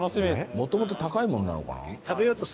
もともと高いものなのかな？